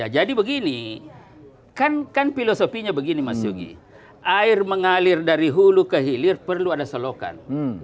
jadi begini kan filosofinya begini mas yogi air mengalir dari hulu ke hilir perlu ada selokan